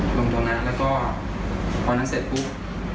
หลงตัวหน้าแล้วก็ตอนนั้นเสร็จปุ๊บ